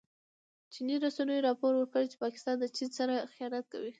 چیني رسنیو راپور ورکړی چې پاکستان د چین سره خيانت کوي.